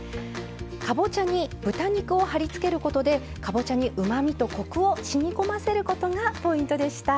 かぼちゃに豚肉をはりつけることでかぼちゃにうまみとコクをしみこませることがポイントでした。